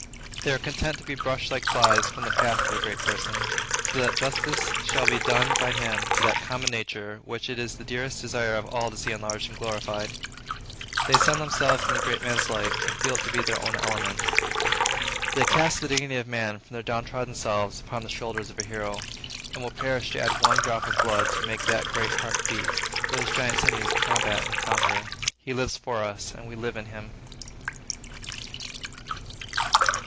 They are content to be brushed like flies from the path of a great person, so that justice shall be done by him to that common nature which it is the dearest desire of all to see enlarged and glorified. They sun themselves in the great man's light, and feel it to be their own element. They cast the dignity of man from their downtrod selves upon the shoulders of a hero, and will perish to add one drop of blood to make that great heart beat, those giant sinews combat and conquer. He lives for us, and we live in him.